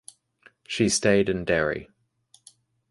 She stayed in Derry.